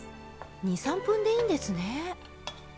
２３分でいいんですね。